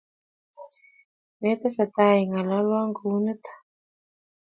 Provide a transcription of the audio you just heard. metesetai ingololwo kunito